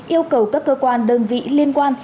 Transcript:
yêu cầu các cơ quan đơn vị liên quan